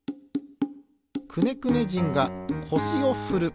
くねくね人がこしをふる。